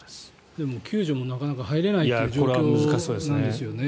でも救助もなかなか入れないという状況なんですよね。